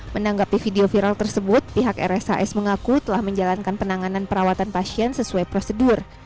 menanggapi video viral tersebut pihak rshs mengaku telah menjalankan penanganan perawatan pasien sesuai prosedur